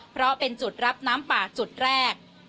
เพราะเป็นจุดรับน้ำป่าจุดแรก